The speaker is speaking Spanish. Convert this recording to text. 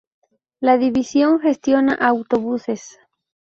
La división gestiona autobuses.